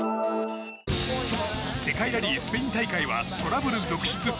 世界ラリー、スペイン大会はトラブル続出。